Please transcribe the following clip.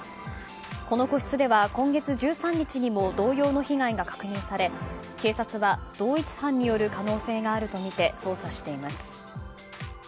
この個室では今月１３日にも同様の被害が確認され警察は同一犯による可能性があるとみて捜査しています。